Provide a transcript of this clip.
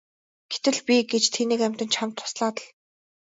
Гэтэл би гэж тэнэг амьтан чамд туслаад л!